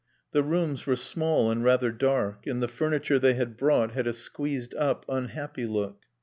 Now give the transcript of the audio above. The rooms were small and rather dark, and the furniture they had brought had a squeezed up, unhappy look.